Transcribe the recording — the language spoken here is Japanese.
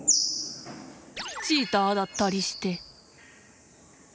チーターだったりして。